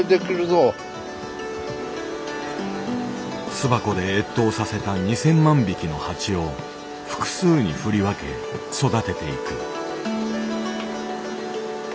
巣箱で越冬させた２，０００万匹の蜂を複数に振り分け育てていく。